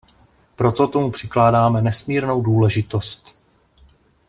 Proto tomu přikládáme nesmírnou důležitost.